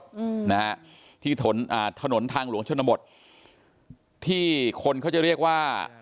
อืมนะฮะที่ถนนอ่าถนนทางหลวงชนบทที่คนเขาจะเรียกว่า